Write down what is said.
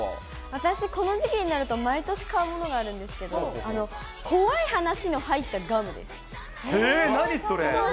私、この時期になると毎年買うものがあるんですけど、怖い話の入った何それ？